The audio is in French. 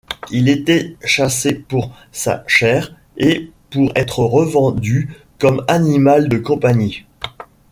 Il était chassé pour sa chair et pour être revendu comme animal de compagnie.